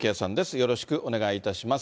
よろしくお願いします。